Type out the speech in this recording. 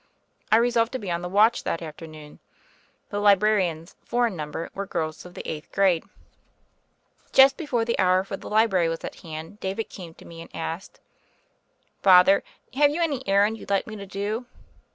I resolved to be on the watch that afternoon. The librarians, four in number, were girls of the eighth grade. I30 THE FAIRY OF THE SNOWS Just bcforie the hour for the library wai at hand, David came to me and asked: "Father, have you any errand you'd like me to do?"